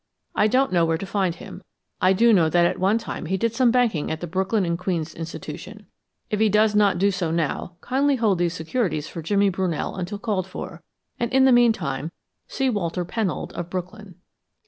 I don't know where to find him. I do know that at one time he did some banking at the Brooklyn & Queens Institution. If he does not do so now, kindly hold these securities for Jimmy Brunell until called for, and in the meantime see Walter Pennold of Brooklyn.